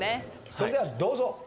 それではどうぞ。